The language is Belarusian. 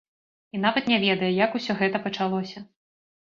І нават не ведае, як усё гэта пачалося.